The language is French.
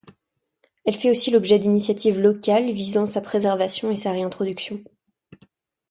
Elle fait aussi l'objet d'initiatives locales visant sa préservation et sa réintroduction.